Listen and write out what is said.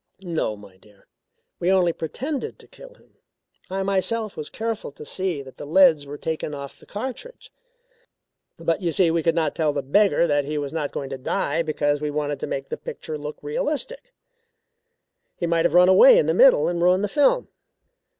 "No, my dear; we only pretended to kill him. I myself was careful to see that the leads were taken off the cartridge. But you see we could not tell the beggar that he was not going to die because we wanted to make the picture look realistic he might have run away in the middle and ruined the film.